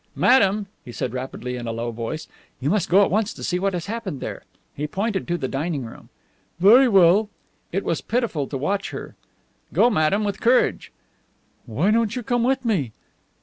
"Madame," he said rapidly, in a low voice, "you must go at once to see what has happened there." He pointed to the dining room. "Very well." It was pitiful to watch her. "Go, madame, with courage." "Why don't you come with me?"